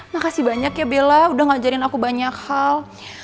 makasih banyak ya bella udah ngajarin aku banyak hal